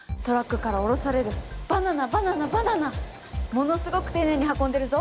ものすごく丁寧に運んでるぞ！